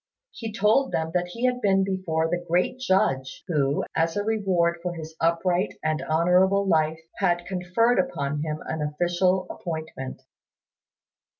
He told them that he had been before the Great Judge, who, as a reward for his upright and honourable life, had conferred upon him an official appointment.